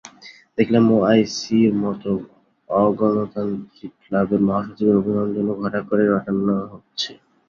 দেখলাম ওআইসির মতো অগণতান্ত্রিক ক্লাবের মহাসচিবের অভিনন্দনও ঘটা করে রটানো হচ্ছে।